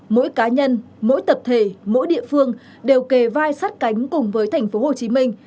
mỗi cá nhân mỗi tập thể mỗi địa phương đều kề vai sát cánh cùng với thành phố hồ chí minh